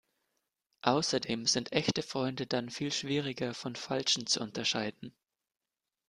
Außerdem sind echte Freunde dann viel schwieriger von falschen zu unterscheiden.